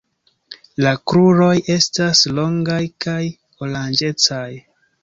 La kruroj estas longaj kaj oranĝecaj.